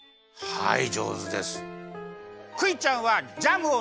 はい。